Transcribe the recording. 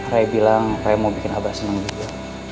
raya bilang raya mau bikin aba seneng juga